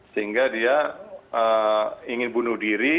sehingga dia ingin bunuh diri